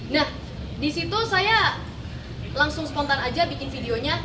nah disitu saya langsung spontan aja bikin videonya